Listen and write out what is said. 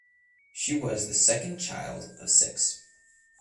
She was the second child of six.